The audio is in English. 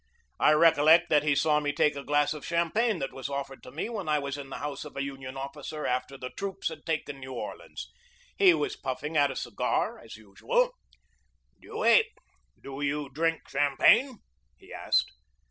I recollect that he saw me take a glass of champagne that was offered to me when I was in the house of a Union officer after the troops had taken New Orleans. He was puffing'at a cigar as usual. "Dewey, do you drink champagne?" he asked.